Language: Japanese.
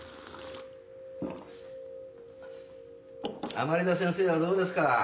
甘利田先生はどうですか？